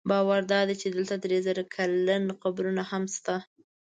باور دا دی چې دلته درې زره کلن قبرونه هم شته.